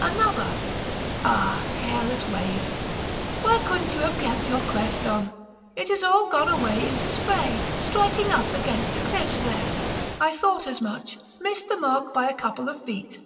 Another: Ah, careless wave! why couldn't you have kept your crest on? it is all gone away into spray, striking up against the cliffs there I thought as much missed the mark by a couple of feet!